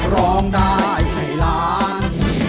ร้องได้ให้ล้าน